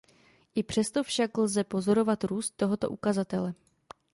I přesto však lze pozorovat růst tohoto ukazatele.